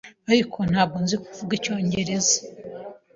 Ariko, ntabwo nzi kuvuga icyongereza.